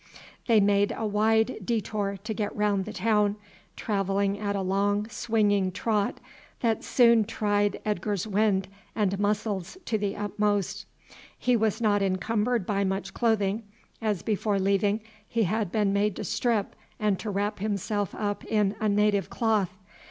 They made a wide detour to get round the town, travelling at a long swinging trot that soon tried Edgar's wind and muscles to the utmost. He was not encumbered by much clothing, as before leaving he had been made to strip and to wrap himself up in a native cloth.